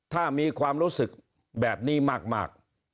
ถ้ามีความรู้สึกแบบนี้มาก